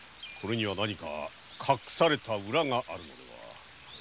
これには隠された裏があるやも。